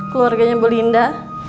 keluarganya bu linda